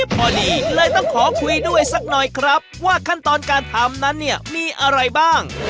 พอดีเลยต้องขอคุยด้วยสักหน่อยครับว่าขั้นตอนการทำนั้นเนี่ยมีอะไรบ้าง